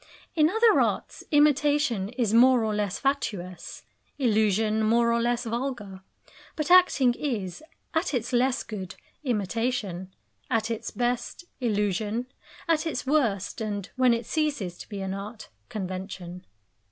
In other arts imitation is more or less fatuous, illusion more or less vulgar. But acting is, at its less good, imitation; at its best, illusion; at its worst, and when it ceases to be an art, convention.